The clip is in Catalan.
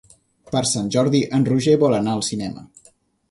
Per Sant Jordi en Roger vol anar al cinema.